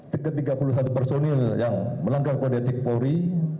dekat tiga puluh satu personil yang melanggar kode etik polri